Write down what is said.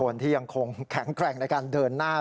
คนที่ยังคงแข็งแกร่งในการเดินหน้า